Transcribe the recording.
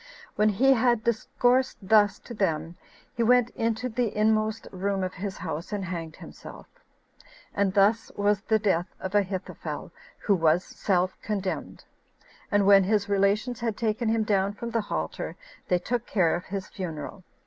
When he had discoursed thus to them, he went into the inmost room of his house, and hanged himself; and thus was the death of Ahithophel, who was self condemned; and when his relations had taken him down from the halter, they took care of his funeral.